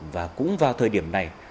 và cũng vào thời điểm này